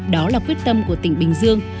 đó là quyết tâm của tỉnh bình dương